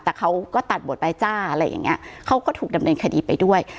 แต่เขาก็ตัดบทไปจ้าอะไรอย่างเงี้ยเขาก็ถูกดำเนินคดีไปด้วย